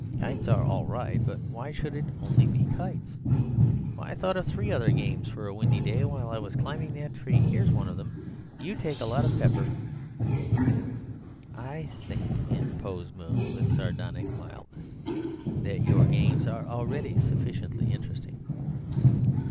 "Kites are all right, but why should it only be kites? Why, I thought of three other games for a windy day while I was climbing that tree. Here's one of them: you take a lot of pepper—" "I think," interposed Moon, with a sardonic mildness, "that your games are already sufficiently interesting.